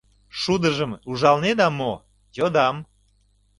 — Шудыжым ужалынеда мо? — йодам.